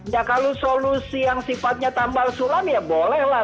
ya kalau solusi yang sifatnya tambal sulam ya bolehlah